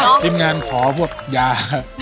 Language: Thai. น้องทีมงานขอพวกยา